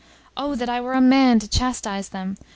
"Oh, that I were a man to chastise them!